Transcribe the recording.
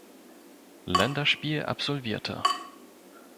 Länderspiel absolvierte.